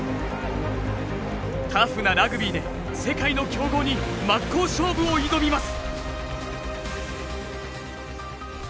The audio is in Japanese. タフなラグビーで世界の強豪に真っ向勝負を挑みます。